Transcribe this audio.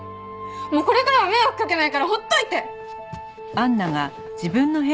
もうこれからは迷惑かけないからほっといて！